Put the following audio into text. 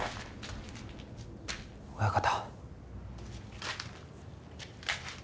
親方。